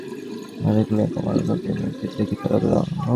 সকালবেলা দুধ খাইয়া সেই কামরার দরজা খুলিয়া কমলা নদী ও নদীতীর দেখিতে লাগিল।